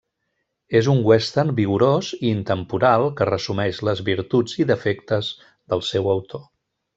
És un western vigorós i intemporal que resumeix les virtuts i defectes del seu autor.